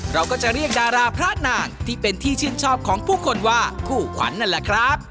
เราก็จะเรียกดาราพระนางที่เป็นที่ชื่นชอบของผู้คนว่าคู่ขวัญนั่นแหละครับ